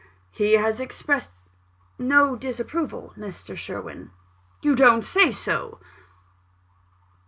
"He has expressed no disapproval, Mr. Sherwin." "You don't say so!"